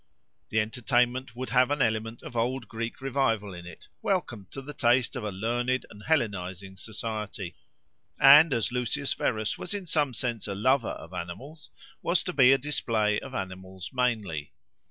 The entertainment would have an element of old Greek revival in it, welcome to the taste of a learned and Hellenising society; and, as Lucius Verus was in some sense a lover of animals, was to be a display of animals mainly.